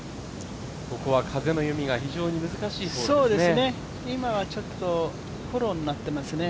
ここは風の読みが非常に難しいホールですね。